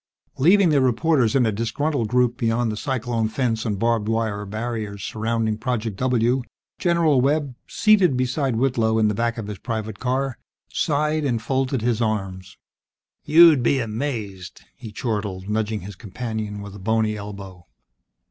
Leaving the reporters in a disgruntled group beyond the cyclone fence and barbed wire barriers surrounding Project W, General Webb, seated beside Whitlow in the back of his private car, sighed and folded his arms. "You'll be amazed!" he chortled, nudging his companion with a bony elbow.